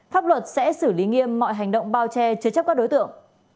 pháp luật sẽ xử lý nghiêm mọi hành động bao che chứa chấp các đối tượng